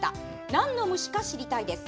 なんの虫か知りたいです。